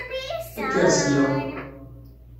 Kker sya!